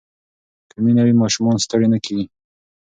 که مینه وي ماشومان ستړي نه کېږي.